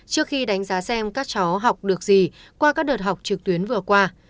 trước khi đánh giá xem các cháu học được gì qua các đợt học trực tuyến vừa qua